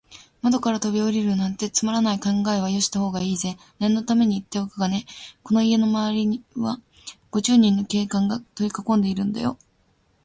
窓からとびおりるなんて、つまらない考えはよしたほうがいいぜ。念のためにいっておくがね、この家のまわりは、五十人の警官がとりかこんでいるんだよ。